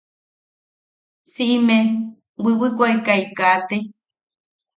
Siʼime wiwikoʼekai kaate.